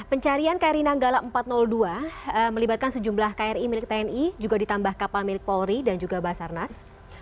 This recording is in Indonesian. pencarian kri nanggala empat ratus dua melibatkan sejumlah kri milik tni juga ditambah kapal milik polri dan juga basarnas